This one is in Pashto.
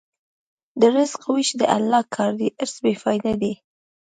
د رزق وېش د الله کار دی، حرص بېفایده دی.